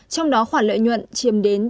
trong đó khoản lợi nhuận chiêm đến tám mươi